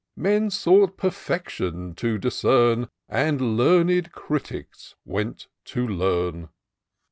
Men sought perfection to discern. And learned critics went to learn.